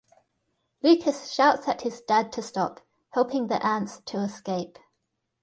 Lucas shouts at his dad to stop, helping the ants to escape.